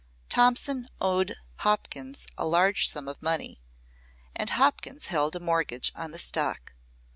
Thompson owed Hopkins a large sum of money and Hopkins held a mortgage on the stock.